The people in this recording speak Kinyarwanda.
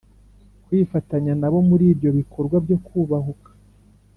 kwifatanya na bo muri ibyo bikorwa byo kubahuka